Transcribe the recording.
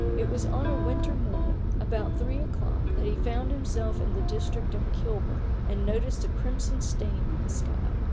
It was on a winter morning, about three o'clock, that he found himself in the district of Kilburn, and noticed a crimson stain on the sky.